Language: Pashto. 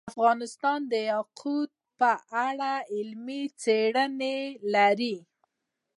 افغانستان د یاقوت په اړه علمي څېړنې لري.